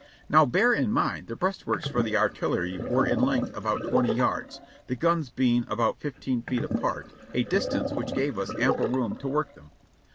"Now bear in mind, the breastworks for the artillery were in length about twenty yards, the guns being about fifteen feet apart, a distance which gave us ample room to work them.